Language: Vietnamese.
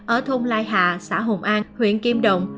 ở thôn lai hà xã hồng an huyện kim động